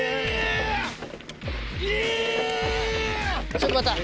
ちょっと待った。